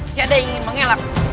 tiada yang ingin mengelak